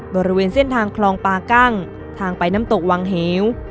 บริเวณเส้นทางคลองปากั้งทางไปน้ำตกวังเหว